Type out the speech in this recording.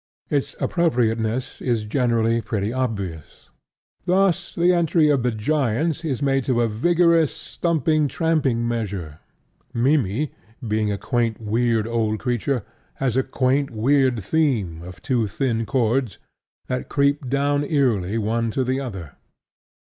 Its appropriateness is generally pretty obvious. Thus, the entry of the giants is made to a vigorous stumping, tramping measure. Mimmy, being a quaint, weird old creature, has a quaint, weird theme of two thin chords that creep down eerily one to the other.